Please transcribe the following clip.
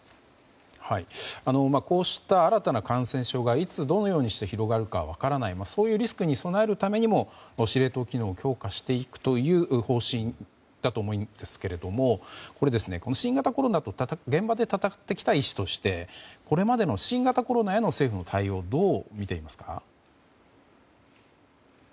こうした新たな感染症がいつどのようにして広がるのか分からない、そういうリスクに備えるためにも司令塔機能を強化していくという方針だと思うんですけれども新型コロナと現場で闘ってきた医師としてこれまでの新型コロナへの政府の対応をどうみていますか？